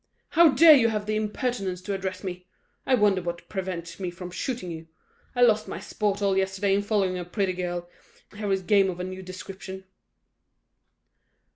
"How dare you have the impertinence to address me? I wonder what prevents me from shooting you. I lost my sport all yesterday in following a pretty girl, here is game of a new description."